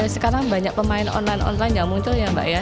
sekarang banyak pemain online online yang muncul ya mbak ya